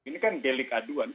ini kan delik aduan